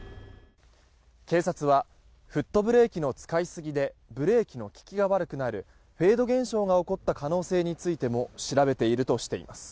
警察はフットブレーキの使い過ぎでブレーキの利きが悪くなるフェード現象が起こった可能性についても調べているとしています。